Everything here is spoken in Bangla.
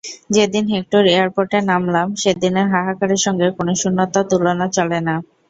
যেদিন হেক্টর এয়ারপোর্টে নামলাম, সেদিনের হাহাকারের সঙ্গে কোনো শূন্যতার তুলনা চলে না।